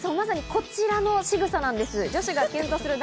こちらのしぐさなんです。